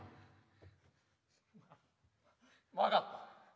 分かった。